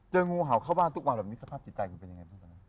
เจองูเห่าเข้าบ้านทุกวันแบบนี้สภาพจิตใจคือเป็นยังไง